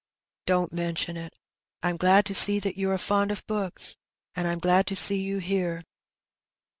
'^ Don't mention it. I'm glad to see that you are fond of books ; and I'm glad to see you here."